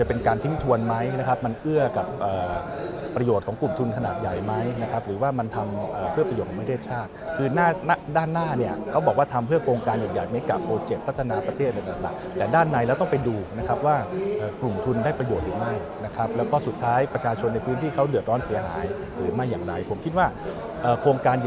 ประโยชน์ของกลุ่มทุนขนาดใหญ่ไหมนะครับหรือว่ามันทำเพื่อประโยชน์ของประเทศชาติคือด้านหน้าเนี่ยเขาบอกว่าทำเพื่อโครงการใหญ่เมกะโปรเจ็ตพัฒนาประเทศอะไรแบบนั้นแต่ด้านในเราต้องไปดูนะครับว่ากลุ่มทุนได้ประโยชน์หรือไม่นะครับแล้วก็สุดท้ายประชาชนในพื้นที่เขาเหลือดร้อนเสียหายหรือไม่อย่าง